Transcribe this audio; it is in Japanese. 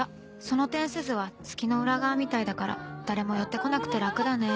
その点すずは月の裏側みたいだから誰も寄って来なくて楽だね。